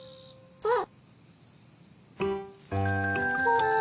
あっ。